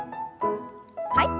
はい。